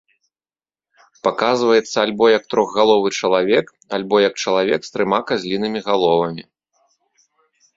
Паказваецца альбо як трохгаловы чалавек, альбо як чалавек з трыма казлінымі галовамі.